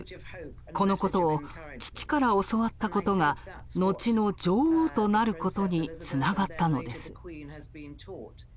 このことを父から教わったことが後の女王となることにつながったのです。